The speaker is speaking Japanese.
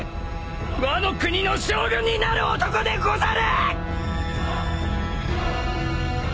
ワノ国の将軍になる男でござる！！